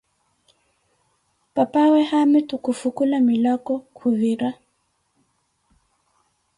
Papawe haamitu kufwukulah milako khuvira.